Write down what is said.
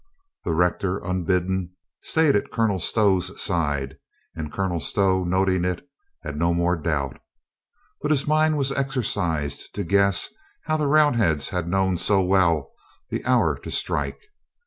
The rector, unbidden, stayed at Colonel Stow's side and Colonel Stow, noting it, had no more doubt. But his mind was exercised to g^ess how the Round heads had known so well the hour to strike.